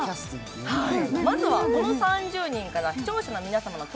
まずは、この３０人から視聴者の皆さん